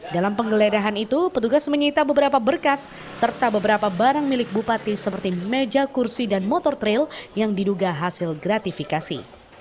dalam penggeledahan itu petugas menyita beberapa berkas serta beberapa barang milik bupati seperti meja kursi dan motor trail yang diduga hasil gratifikasi